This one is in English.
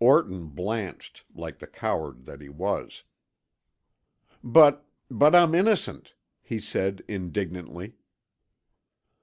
Orton blanched like the coward that he was. "But but, I'm innocent," he said, indignantly.